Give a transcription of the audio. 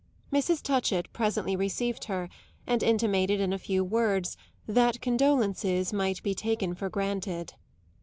Mrs. Touchett presently received her and intimated in a few words that condolences might be taken for granted.